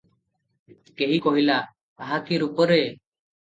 କେହି କହିଲା – ଆହା କି ରୂପ ରେ!